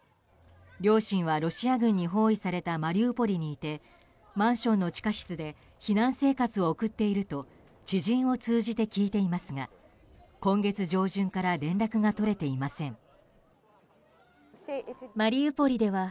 両親は、ロシア軍に包囲されたマリウポリにいてマンションの地下室で避難生活を送っていると知人を通じて聞いていますが今月上旬から連絡が取れていません。